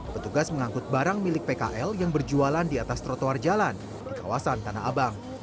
petugas mengangkut barang milik pkl yang berjualan di atas trotoar jalan di kawasan tanah abang